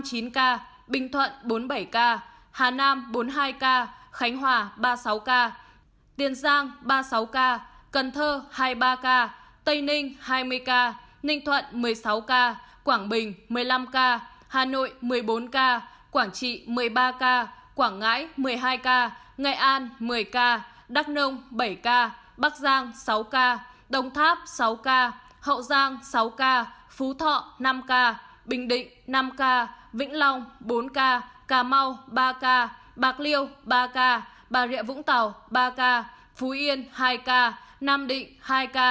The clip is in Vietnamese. tình hình dịch covid một mươi chín trong ngày đó tại bốn mươi tỉnh thành phố ghi nhận năm bốn trăm chín mươi ca giảm một bốn trăm bảy mươi ca giảm một bốn trăm bảy mươi ca tình hình hai bảy trăm hai mươi ba ca đồng nai năm trăm linh chín ca tình thuận một mươi năm ca hà nội một mươi bốn ca quảng trị một mươi ba ca quảng ngãi một mươi hai ca ngài an một mươi ca đắk nông bảy ca bắc giang sáu ca đồng tháp sáu ca hậu giang sáu ca phú thọ năm ca bình định năm ca vĩnh long bốn ca cà mau ba ca bạc liêu ba ca bà rịa vũng tàu ba ca phú yên hai ca nam định hai ca hồ chí minh hai ca đồng tháp sáu ca hậu giang sáu ca phú